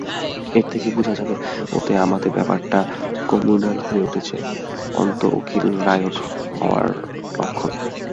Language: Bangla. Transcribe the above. এর থেকে বুঝবে ওতে আমাতে ব্যাপারটা কম্যুন্যাল হয়ে উঠেছে, অন্তু-অখিল রায়ট হবার লক্ষণ।